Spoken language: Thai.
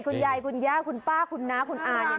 คุณยายคุณย่าคุณป้าคุณน้าคุณอาเนี่ย